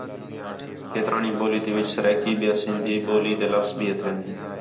کھیترانی ٻولی تی وِچ سرائیکی ٻیا سندھی ٻولی تے لفظ بھی ہتھین